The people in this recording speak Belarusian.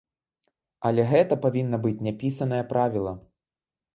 Але гэта павінна быць няпісанае правіла.